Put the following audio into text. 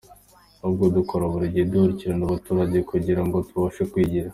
Ahubwo duhora buri gihe dukurikirana abaturage kugira ngo tubafashe kwigira.